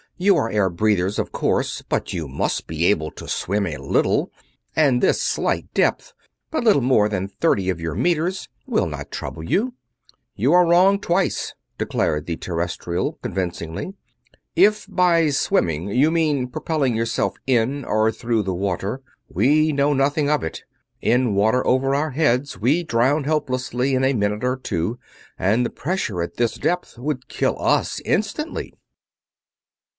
"You are air breathers, of course, but you must be able to swim a little, and this slight depth but little more than thirty of your meters will not trouble you." "You are wrong, twice," declared the Terrestrial, convincingly. "If by 'swimming' you mean propelling yourself in or through the water, we know nothing of it. In water over our heads we drown helplessly in a minute or two, and the pressure at this depth would kill us instantly."